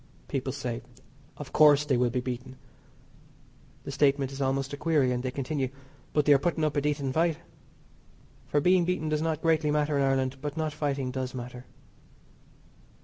People say: "Of course, they will be beaten." The statement is almost a query, and they continue, "but they are putting up a decent fight." For being beaten does not greatly matter in Ireland, but not fighting does matter.